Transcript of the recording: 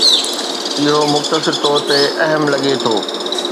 اهو مختصر طور تي اهم لڳي ٿو